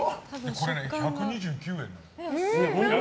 これ１２９円なの。